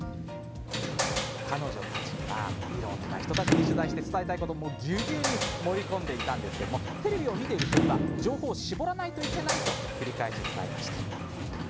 彼女たちはいろんな人たちに取材して、伝えたいことをぎゅぎゅっと詰め込んでいたんですがテレビを見ている人には情報を絞らないといけないと繰り返し伝えました。